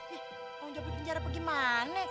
ih tanggung jawab di penjara bagaimana